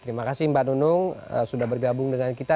terima kasih mbak nunung sudah bergabung dengan kita